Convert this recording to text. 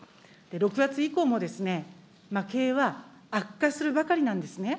６月以降も経営は悪化するばかりなんですね。